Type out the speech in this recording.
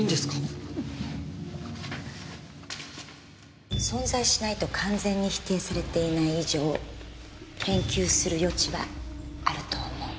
うん。存在しないと完全に否定されていない以上研究する余地はあると思う。